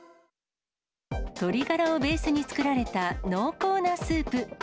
鶏がらをベースに作られた濃厚なスープ。